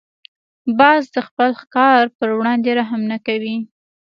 باز د خپل ښکار پر وړاندې رحم نه کوي